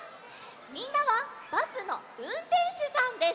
みんなはバスのうんてんしゅさんです。